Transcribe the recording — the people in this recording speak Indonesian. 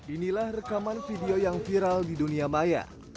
inilah rekaman video yang viral di dunia maya